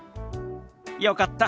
よかった。